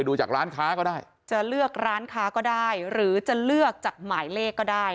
ดูจากร้านค้าก็ได้จะเลือกร้านค้าก็ได้หรือจะเลือกจากหมายเลขก็ได้